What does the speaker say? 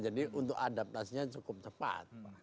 jadi untuk adaptasinya cukup cepat